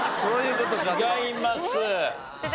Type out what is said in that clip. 違います。